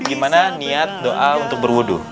gimana niat doa untuk berwudhu